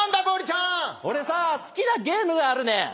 俺さ好きなゲームがあるねん。